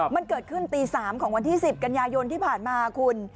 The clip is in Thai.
มันเกิดขึ้นตี๓ของวันที่๑๐กันยายนที่ผ่านมาคุณ